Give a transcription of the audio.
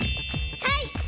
はい！